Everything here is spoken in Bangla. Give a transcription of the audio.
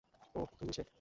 ওহ, তুমিই সে?